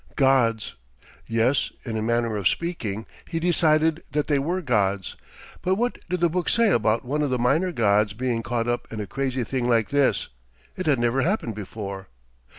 _ Gods. Yes, in a manner of speaking, he decided that they were gods ... but what did the book say about one of the minor gods being caught up in a crazy thing like this? It had never happened before.